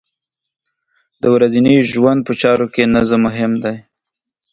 د ورځنۍ ژوند په چارو کې نظم مهم دی.